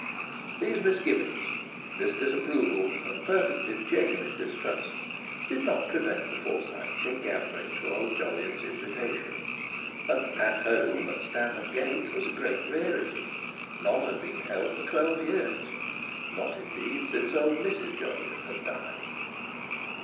These misgivings, this disapproval, and perfectly genuine distrust, did not prevent the Forsytes from gathering to old Jolyon's invitation. An "At Home" at Stanhope Gate was a great rarity; none had been held for twelve years, not indeed, since old Mrs. Jolyon had died.